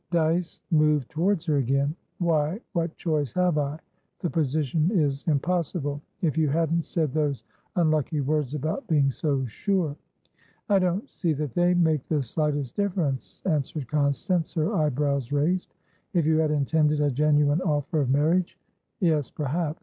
Dyce moved towards her again. "Why, what choice have I? The position is impossible. If you hadn't said those unlucky words about being so sure" "I don't see that they make the slightest difference," answered Constance, her eyebrows raised. "If you had intended a genuine offer of marriageyes, perhaps.